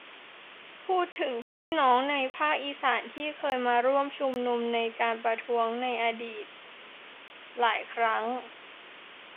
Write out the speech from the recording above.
พูดถึงพี่น้องในภาคอีสาน ที่เคยมาร่วมชุมนุมในการประท้วงในอดีตหลายครั้ง